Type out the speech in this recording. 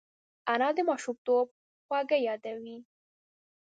انا د ماشومتوب خواږه یادوي